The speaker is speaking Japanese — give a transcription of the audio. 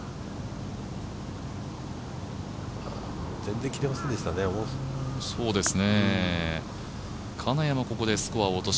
全然、切れませんでしたね。